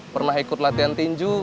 pernah ikut latihan tinju